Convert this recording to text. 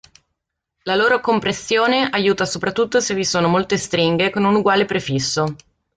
La loro compressione aiuta soprattutto se vi sono molte stringhe con un uguale prefisso.